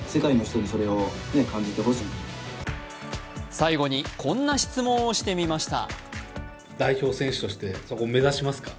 最後に、こんな質問をしてみました。